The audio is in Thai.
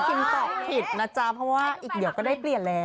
ตอบผิดนะจ๊ะเพราะว่าอีกเดี๋ยวก็ได้เปลี่ยนแล้ว